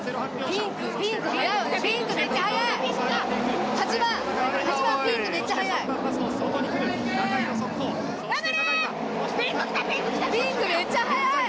ピンクめっちゃ速い！